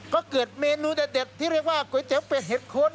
ก็เกิดเมนูเด็ดที่เรียกว่าก๋วยเตี๋ยวเป็ดเห็ดโคน